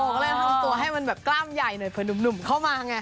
ก็เลยทำตัวให้มันแบบกล้ามใหญ่หน่อยเผื่อหนุ่มเข้ามาไง